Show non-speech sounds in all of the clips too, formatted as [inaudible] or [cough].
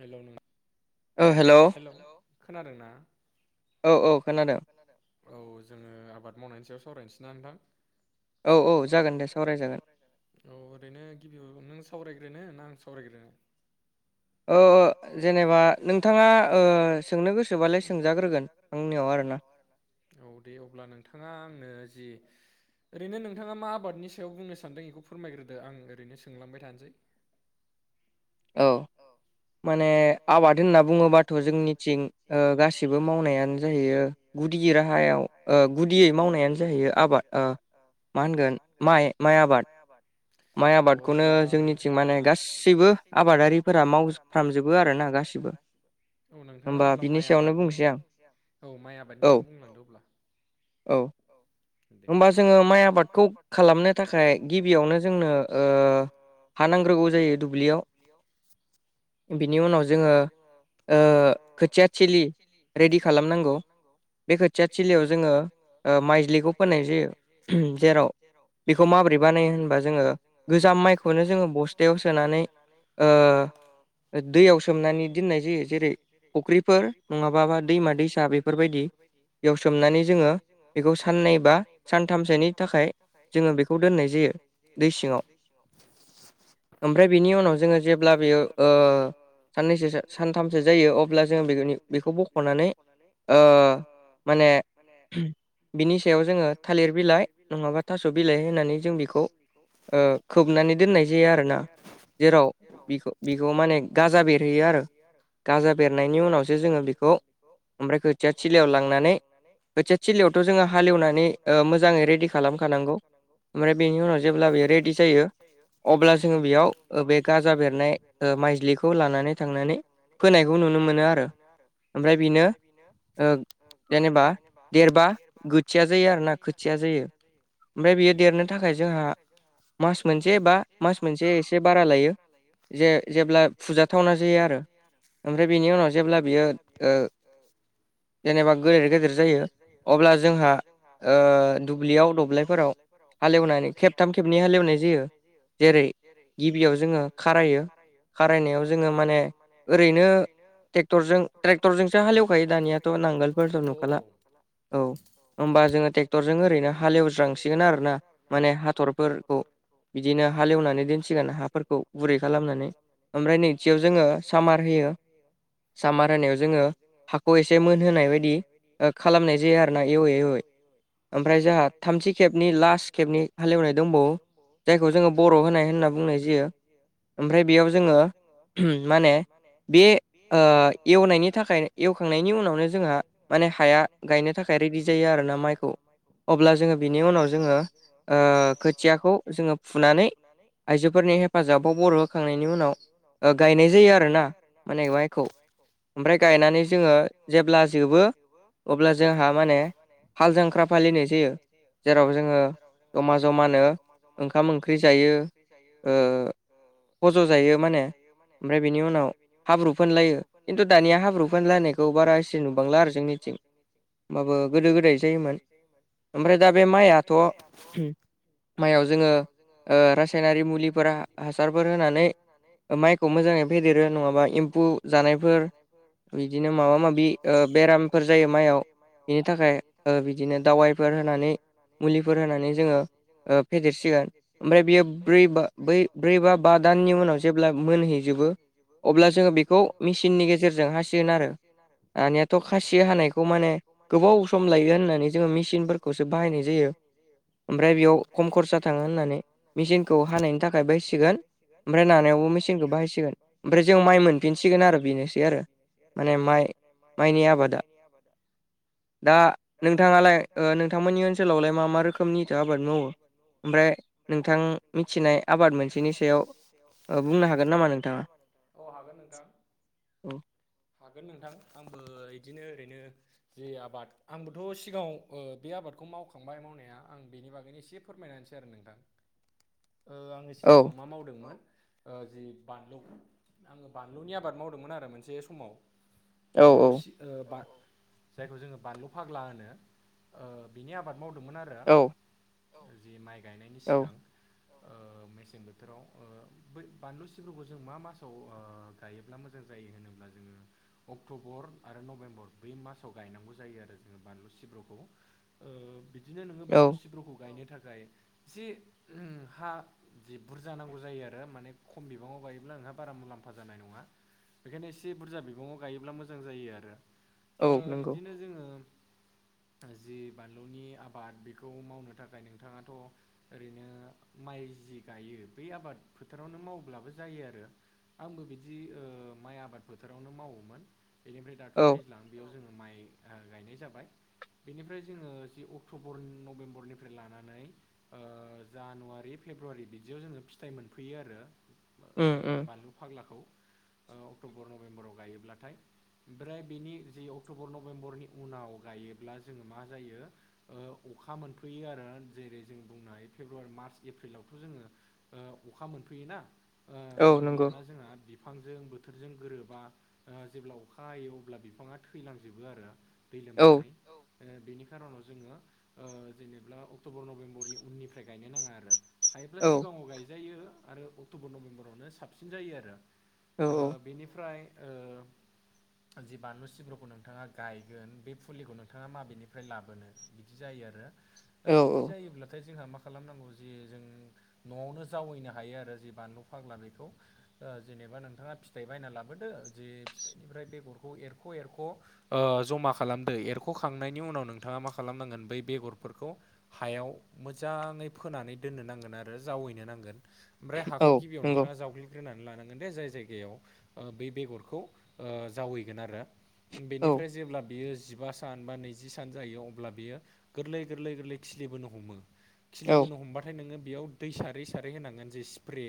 हेल' नों हेल' खोनादों ना? औ औ खोनादो। औ जोङो आबाद मावनायनि सायाव सावरायनोसै ना नोंथां? औ औ जागोन दे सावरायजागोन। औ ओरैनो गिबियाव नों सावरायग्रोनो ना आं सावरायग्रोनो? ओ जेनेबा नोंथाङा ओ सोंनो गोसोबालाय सोंजाग्रोगोन। आंनियाव आरोना। औ दे अब्ला नोंथाङा आंनो जि ओरैनो नोंथाङा मा आबादनि सायाव बुंनो सानदों इखौ फोरमायग्रोदो आं ओरैनो सोंलांबाय थानोसै। [inaudible] औ। माने आबाद होनना बुङोबाथ' जोंनिथिं ओ गासिबो मावनायानो जाहैयो। गुदियो राहायाव ओ गुदियै मावनायानो जाहैयो आबाद ओ। मा होनगोन माइ माइ आबाद। माइ आबादखौनो जोंनिथिं माने गासैबो आबादारिफोरा मावजोबफ्रामजोबो आरोना गासैबो। औ नोंथाङा अब्ला माइ आबादनि औ माइ आबादनि सायाव बुंलांदो अब्ला औ। दे होमबा जोङो माइ आबादखौ खालामनो थाखाय गिबियावनो जोंनो ओ हा नांग्रोगौ दुब्लियाव। बिनि उनाव जोङो ओ खोथियाथिलि रेडि खालामनांगौ। बे खोथिया थिलियाव जोङो ओ माइज्लिखौ फो ज्लिखौ फोनाय जायो जेराव बेखौ माबोरै बानायो होनबा जोङो गोजाम माइखौनो जोङो बस्थायाव सोनानै ओ ओ दैयाव सोमनानै दोननाय जायो जेरै फुख्रिफोर नङाबाबा दैमा दैसा बेफोरबायदि। बेयाव सोमनानै जोङो बेखौ साननै बा सानथामसोनि थाखाय जोङो बेखौ दोननाय जायो दै सिङाव। ओमफ्राय बिनि उनाव जोङो जेब्ला बेयो ओ साननैसोसो सानथामसो जायो अब्ला जोङो बेनि बेखौ बख'नानै ओ माने माने बिनिसेब बिनि सायाव जोङो थालिर बिलाइ नङाबा थास' बिलाइ होनानै जों बेखौ ओ खोबनानै दोननाय जायो आरोना जेराव बिखौ बिखौ माने गाजा बे गाजा बेरहोयो आरो गाजा बेरनायनि उनावसो जोङो बेखौ ओमफ्राय खोथिया थिलियाव लांनानै खोथिया थिलियावथ' जोंहा हा हालेवनानै ओ मोजाङै रेडि खालामखानांगौ ओमफ्राय बेनि उनाव जेब्ला बेयो रेडि जायो अब्ला जोङो बेयाव ओ बे गाजा बेरनाय ओ माइज्लिखौ लां बेखौ लानानै थांनानै फोनायखौ नुनो मोनो आरो। ओमफ्राय बेनो ओ जेनेबा देरबा देरबा खोथिया जायो आरोना खोथिया जायो। ओमफ्राय बियो देरनो थाखाय जोंहा मास मोनसे बा मास मोनसे एसे बारा लायो। जे जेब्ला फुजाथावना जा फुजाथावना जायो आरो ओमफ्राय बिनि उनाव जेब्ला बियो ओ जेनेबा गेदेर गेदेर जायो। जायो। अब्ला जोंहा ओ दुब्लियाव दब्लायफोराव हाल एवनानै खेबथाम खेबनै हाल एवनाय जायो। जेरै गिबियाव जोङो खारायो खारायनायाव जोङो माने ओरैनो ट्रेक्टरजों ट्रेक्टरजोंसो हाल एवखायो दानियाथ' नांगोल औ औ औ। औ। होमबा जोङो ट्रेक्टरजों ओरैनो हालेवज्रांसिगोन आरोना माने हाथरफोरखौ। बिदिनो हाल एवनानै दोनसिगोन हाफोरखौ गुरै खालामनानै। ओमफ्राय नैथियाव जोङो सामार होयो। सामार होनायाव जोङो हाखौ एसे मोनहोनाय बायदि ओ खामनाय जायो आरोना एवै एवै। ओमफ्राय जोंहा थामथि खेबनि लास्ट खेबनि हाल एवनाय दंबावो जायखौ जोङो बर'होनाय होनना बुंनाय जायो। [unintelligible] ओमफ्राय बेयाव जोङो माने बे ओ एवनायनि थाखाय एवखांनायनि उनावनो जोंहा माने हाया गायनो थाखाय रेडि जायो आरोना माइखौ अब्ला जोङो बिनि उनाव जोङो ओ खोथियाखौ जोङो फुनानै आइजोफोरनि हेफाजाबाव बर'होखांनायनि उनाव बेनि उनाव ओ गायनाय जायो आरोना माइखौ। ओमफ्राय गायनानै जोङो जेब्ला जोबो अब्ला जोंहा माने हाल जांख्रा फालिनाय जायो जेराव जोङो जमा जमानो ओंखाम ओंख्रि जायो ओ ओ फज' जायो माने ओमफ्राय बेनि उनाव हाब्रु फोनलायो खिन्थु दानिया हाब्रु फोनलानाय फोनलानायखौ बारा एसे नुबांला आरो जोंनिथिं। होमबाबो गोदो गोदाय जायोमोन ओमफ्राय दा बे माइआथ' माइआव जोङो ओ रासायनारि मुलिफोरा हासारफोर होनानै ओ माइखौ मोजाङै फेदेरो नङाबा एम्फु जानायफोर बिदिनो माबा माबि ओ बेरामफोर जायो। माइयाव बेनि थाखाय ओ बिदिनो दावाइफोर होनानै मुलिफोर होनानै जोङो ओ फेदेरसिगोन ओमफ्राय बियो ब्रै बा बै ब्रै बा बा दाननि उनाव जेब्ला मोनहैजोबो अब्ला जोङो बेखौ मेसिननि गेजेरजों हासिगोन आरो दानिया थ' खासि हानाय सि हानायखौ माने गोबाव सम लायो होननानै जोङो मेचिनफोरखौसो बाहायनाय जायो। ओमफ्राय बेयाव खम खरसा थाङो होननानै मेसिनखौ हानायनि थाखाय बायसिगोन ओमफ्राय नाना यावबो मेसिनखौ बाहायसिगोन फ्राय जों माइ मोनफिनसिगोन आरो बेनोसै आरो माने माइ माइ माइनि आबादा दा नोंथाङालाय ओ नोंथांमोननि ओनसोलावलाय मा मा रोखोमनिथो आबाद मावो ओमफ्राय नोंथां मिथिनाय आबाद मोनसेनि सायाव ओ बुंनो हागोन नामा नोंथाङा? औ हागोन नोंथां। हागोन नोंथां आंबो इदिनो ओरैनो जे आबाद आंबोथ' सिगाङाव ओ बे आबादखौ मावखांबाय मावनाया आं बेनि बागैनो एसे फोरमायना होनोसै आरो नोंथां ओ आङो सिगाङाव मा मावदोंमोन। ओ जि बानलु आङो बानलुनि आबाद मावदोंमोन आरो मोनसे समाव। बानलु सि ओ बान जायखौ जोङो बानलु फाग्ला होनो ओ बिनि आबाद मावदोंमोन आरो जि माइ गायनायनि सिगां। ओ मेसें बोथोराव ओ बै बानलु सिब्रखौ जों मा मासाव ओ गायोब्ला मोजां जायो होनोब्ला जोङो अक्ट'बर आरो नभेम्बर बै मासाव गायनांगौ जायो आरो जोङो बानलु सिब्रखौ। ओ बिदिनो नोङो बानलु सिब्रखौ गायनो थाखाय जि हा जि बुरजा नांगौ जायो आरो। दा माने खम बिबाङाव गायोब्ला नोंहा बारा मुलाम्फा जानाय नङा। बेखायनो एसे बुरजा बिबाङाव गायोब्ला मोजां जायो आरो ओ बिदिनो जोङो ओ जि बानलुनि आबाद बेखौ मावनो थाखाय नोंथाङाथ' ओरैनो माइ जि गायो बै आबाद फोथारावनो मावब्लाबो जायो आरो आंबो बिदि माइ आबाद फोथारावनो मावोमोन बेनिफ्राय दाथ' दै बेयाव जोङो माइ गायनाय जाबाय बेनिफ्राय जोङो जि अक्ट'बर नभेम्बरनिफ्राय लानानै जानुवारि फेब्रुवारि बिदियाव जोङो फिथाइ मोन फैयो आरो ओ बानलु फाग्लाखौ ओ अक्ट'बर नभेम्बराव गायोब्लाथाय ओमफ्राय बेनि जे अक्ट'बर नभेम्बरनि उनाव गायोब्ला जोङो मा जायो ओ अखा मोनफैयो आरो जेरै जों बुंनो हायो फेब्रुवारि मार्च एप्रिलावथ' जोङो ओ अखा मोनफैयोना ओ लाना जोंहा बिफांजों बोथोरजों गोरोबा जेब्ला अखा हायो अब्ला बिफाङा थैलांजोबो आरो दै लोमनानै औ ओ बिनि खारनाव जोङो जेनेब्ला अक्ट'बर नभेम्बरनि उननिफ्राय गायनो नाङा आरो हायोब्ला सिगाङाव गायजायो आरो अक्ट'बर नभेम्बरावनो साबसिन जायो आरो ओ बेनिफ्राय ओ जि बानलु सिब्रुखौ नोंथाङा गायगोन बे फुलिखौ नोंथाङा माबेनिफ्राय लाबोनो बिदि जायो आरो ओ बिदि जायोब्लाथाय जोंहा मा खालामनांगौ जे जों न'आवनो नआवनो जावैनो हायो आरो जि बानलु फाग्ला बेखौ ओ जेनेबा नोंथाङा फिथाइ बायना लाबोदो जे फिथाइनिफ्राय बेगरखौ एरख' एरख' ओ जमा खालामदो एरख'खांनायनि उनाव नोंथाङा मा खालामनांगोन बै बेगरफोरखौ हायाव मोजाङै फोनानै दोननो नांगोन आरो जावैनो नांगोन गोन ओमफ्राय हाखौ गिबियाव नोंथांआ जावग्लि ग्रोनानै लानांगोन दे जाय जायगायाव बेै बेगरखौ जावैगोन आरो बेनिफ्राय जेब्ला बियो जिबासो सान बा नैजि सान जायो अब्ला बियो गोरलै गोरलै गोरलै खिलिबोनो हमो खिलिबोनो हमबाथाय नोङो बेयाव दै सारै सारै होनांगोन जे स्प्रे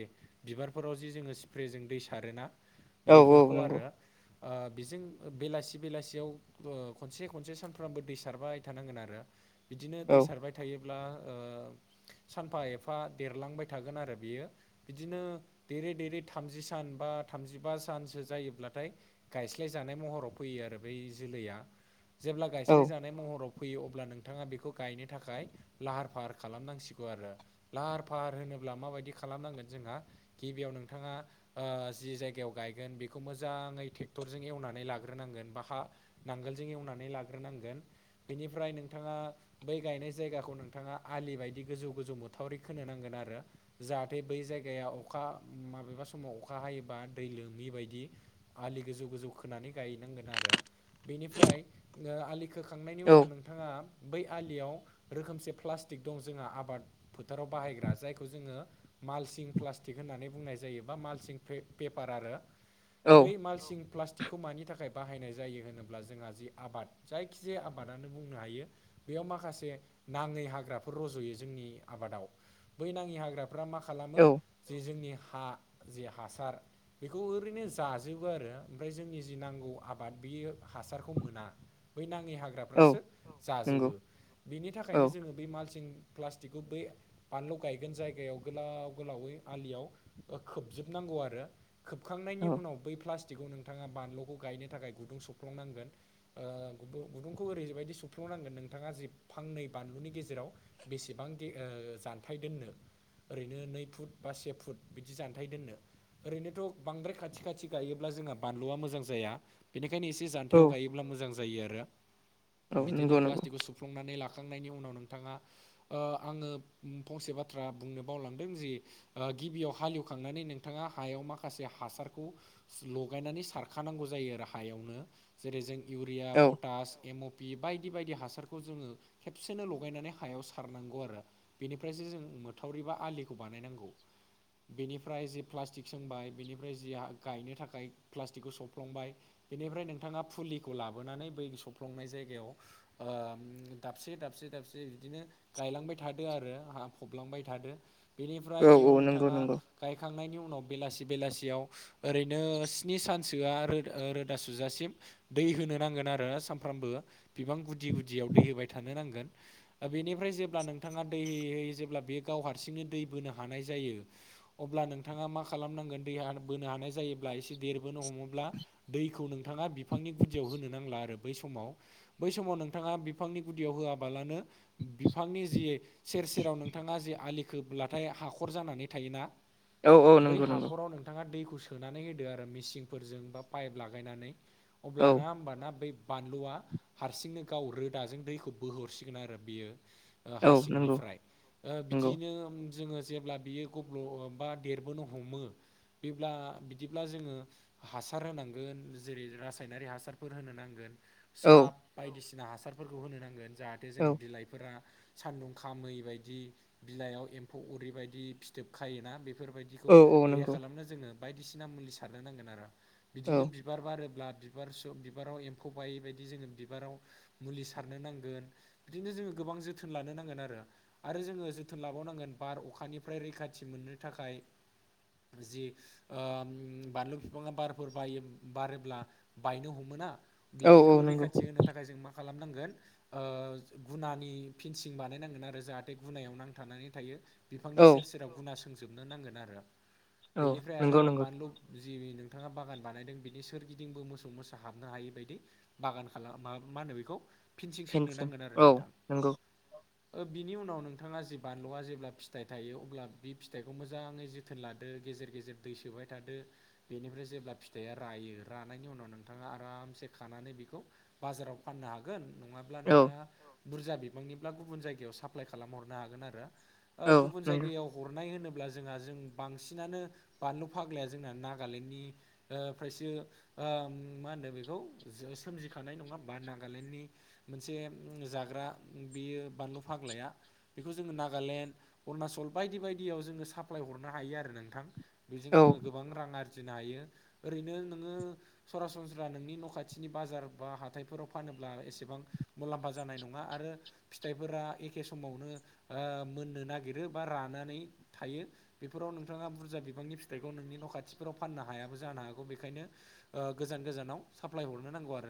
बिबारफोराव जिे जोङो स्प्रे जों दै सारोना बैफोरखौ आरो। बेजों बेलासि बेलासियाव खनसे खनसे सानफ्रामबो दै सारबाय थानांगोन आरो। बिदिनो दै सारबाय थायोब्ला सानफा एफा देरलांबाय थागोन आरो बियो बिदिनो देरै देरै थामजि सान बा थामजिबा सानसो जायोब्लाथाय गायस्लायजानाय महराव फैयो आरो बै जोलैया जेब्ला गायस्लाय जानाय महराव फैयो अब्ला नोंथाङा बेखौ गायनो थाखाय लाहार फाहार खालामनांसिगौ आरो। लाहार फाहार होनोब्ला माबायदि खालामनांगोन जोंहा गिबियाव नोंथाङा जि जायगायाव गायगोन बेखौ मोजाङै टेकथरजों एवनानै लाग्रोनांगोन बा हा नांगोलजों एवनानै लाग्रोनांगोन बेनिफ्राय नोंथाङा बै गायनाय जायगाखौ नोंथाङा आलि बायदि गोजौ गोजौ मुथावरि खोनो नांगोन आरो। जाहाथे बै जायगाया अखा माबेबा समाव अखा हायोबा दै लोमि बायदि। आलि गोजौ गोजौ खोनानै‌ गायनो नांगोन आरो। बेनिफ्राय आलि खोखांनायनि उनाव नों बिथांङा बै आलियाव रोखोमसे प्लास्टिक दं जोंहा आबाद फोथाराव बाहायग्रा जाय खौ जोङो मालसिं प्लासटिक होननानै बुंनाय जायो बा मालसिं पेपार आरो बै मालसिं प्लासटिक खौ मानि थाखाय बाहायनाय जायो होनोब्ला जोंहा जि आबाद जायखि जाया आबादानो बुंनो हायो बेयाव माखासे नाङै हाग्राफोर रज'यो जोंनि आबादाव। बै नाङि हाग्राफ्रा मा खालामो जे जोंनि हा जे हासार बेखौ ओरैनो जाजोबो आरो ओमफ्राय जोंनि जि नांगौ आबाद बेयो हासारखौ मोना। बै नाङि हाग्राफ्रासो जाजोबो बिनि थाखायनो जोङो बे मालसिं प्लास्टिकखौ बै बानलु गायगोन जायगायाव गोलाव गोलावै आलियाव ओ खोबजोबनांगौ आरो। खोबखांनायनि उनाव बै प्लास्टिकखौ नोंथाङा बानलुखौ गायनो थाखाय गुदुं सौफ्लंनांगोन‌। ओ गुदुं गुदुंखौ ओरैबायदि सुफ्लंनांगोन नोंथाङा जि फांनै बानलुनि गेजेराव बेसेबांदि ओ जानथाय दोननो। ओरैनो नै फुट बा से फुट बिदि जानथाय दोननो। ओरैनोथ' बांद्राय खाथि खाथि गायोब्ला जोंहा बानलुया मोजां जाया। बेनिखायनो एसे जान्थायाव गायोब्ला मोजां जायो आरो बिदिनो प्लास्टिक गुस फ्लुंनानै लाखांनायनि उनाव नोंथाङा ओ आङो फंसे बाथ्रा बुंनो बावलांदों जि ओ गिबियाव हालेवखांनानै नोंथाङा हायाव माखासे हासारखौ लगायनानै सारखानांगौ जायो आरो हायावनो जेरै जों इउरिया पटास एम' बि बायदि बायदि हासारखौ जोङो खेबसेनो लगायनानै हायाव सारनांगौ आरो। बेनिफ्रायसो जों मोथावरि बा आलिखौ बानायनांगौ। बेनिफ्राय जे प्लास्टिक सोंबाय बेनिफ्राय जिया गायनो थाखाय प्लास्टिकखौ सौफ्लंबाय बेनिफ्राय नोंथाङा फुलिखौ लाबोनानै बै सौफ्लंनाय जायगायाव आह दाबसे दाबसे दाबसे बिदिनो गायलांबाय थाद दो आरो हा फबलांबाय थादो बेनिफ्राय बेयाव नोंथाङा गायखांनायनि उनाव बेलासि बेलासियाव ओरैनो स्नि सानसोया रोदा सुजासिम दै होनो नांगोन आरो सानफ्रामबो बिबां गुदि गुदियाव दै होबाय थानो नांगोन। ओ बेनिफ्राय जेब्ला नोंथाङा दै होयै होयै जेब्ला बे गाव हारसिंनो दै बोनो हानाय जायो अब्ला नोंथाङा मा खालामनांगोन दैहा बोनो हानाय जायोब्ला एसे देरबोनो हमोब्ला दैखौ नोंथाङा बिफांनि गुदियाव होनो नांला आरो बै समाव। बै समाव नोंथाङा बिफांनि गुदियाव होआबालानो बिफांनि जि सेर सेराव नोंथाङा जे आलि खोब्लाथाय हाखर जानानै थायोना बै हाखराव नोंथाङा दैखौ सोनानै होदो आरो मेचिनफोरजों बा पाइप लागायनानै अब्ला ना होमबाना बै बानलुआ हारसिंनो गाव रोदाजों दैखौ बोहरसिगोन आरो बियो। हा सिंनिफ्राय ओ बिदिनो जोङो जेब्ला बियो गब्ल' बा देरबोनो हमो बेब्ला बिदिब्ला जोङो हासार होनांगोन जेरै रासायनारि हासारफोर होनो नांगोन। साब बायदिसिना हासारफोरखौ होनो नांगोन जाहाथे जोङो बिलाइफोरा सान्दुंखामै बायदि बिलाइयाव एम्फौ अरैबायदि फिथोबखायोना बेफोरबायदि बेखौ गैया खालामनो जोङो बायदिसिना मुलि सारनो नांगोन आरो बिदिनो बि बार बारोब्ला बिबार सु बिबाराव एम्फौ बायै बायदि जोङो बिबाराव मुलि सारनो नांगोन बिदिनो जोङो गोबां जोथोन लानो नांगोन आरो। आरो जोङो जोथोन लाबावनांगोन बार अखानिफ्राय रैखाथि मोननो थाखाय जि ओम बानलु बिफाङा बारफोर बायो बारोब्ला बायनो हमोना बिदिखौ रैखाथि होनो थाखाय जों मा खालामनांगोन ओ गुनानि फिनसिं बानायनांगोन आरो जाहाथे गुनायाव नांथानानै थायो बिफांनि सेर-सेराव गुना सों जोबनो नांगोन आरो बेनिफ्राय आरो बानलु जि नोंथाङा बागान बानायदों बिनि सोरगिदिंबो मोसौ मोसा हाबनो हायै बायदि बागान खालाम मा मा होनो बेखौ फिनसिं सोंनो नांगोन आरो नोंथां ओ बिनि उनाव नोंथाङा जे बानलुआ जेब्ला फिथाइ थायो अब्ला बे फिथाइखौ मोजाङै जो थोन लादो गेजेर गेजेर दै सोबाय थादो बेनिफ्राय जेब्ला फिथाइया रायो रानायनि उनाव नोंथाङा आरामसे खानानै बेखौ बाजाराव फाननो हागोन नङाब्ला नोंथाङा बुरजा बि निब्ला गुबुन जायगायाव साप्लाय खालामहरनो हागोन आरो ओ गुबुन जायगायाव हरनाय होनोब्ला जोंहा जों बांसिनानो बानलु फाग्लाया जोंना नागालेण्डनि ओ फ्रायसो ओ मा होनदों बेखो जे सोमजिखानाय नङा होनबा नागालेण्डनि मोनसे उम जाग्रा बियो बानलु फाग्लाया बेखौ जोङो नागालेण्ड उरणाचल बायदि बायदियाव जोङो साप्लाइ हरनो हायो आरो नोंथां बेजों जोङो गोबां रां आरजिनो हायो ओरैनो नोङो सरासनस्रा नोंनि न' खाथिनि बाजार बा हाथायफोराव फानोब्ला एसेबां मुलाम्फा जानाय नङा आरो फिथाइफोरा एखे समावनो ओ मोननो नागिरो बा रानानै थायो बेफोराव नोंथाङा बुरजा बिबांनि फिथाइखौ नोंनि न' खाथिफोराव फाननो हायाबो जानो हागौ बेखायनो ओ गोजान गोजानाव साप्लाइ हरनो नांगौ आरो